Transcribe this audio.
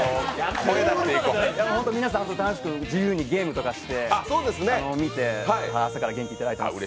皆さん楽しく自由にゲームとかして見て、朝から元気をいただいています。